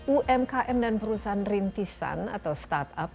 umkm dan perusahaan rintisan atau startup